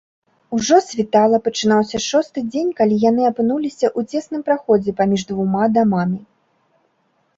Ужо світала, пачынаўся шосты дзень, калі яны апынуліся ў цесным праходзе паміж двума дамамі.